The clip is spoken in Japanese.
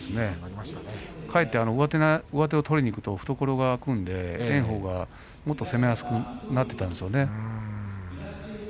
返って上手を取りにいくと懐が空くので炎鵬がもっと攻めやすくなっていたでしょうね。